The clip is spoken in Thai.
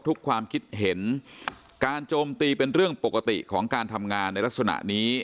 ความคิดเห็นการโจมตีเป็นเรื่องปกติของการทำงานในลักษณะนี้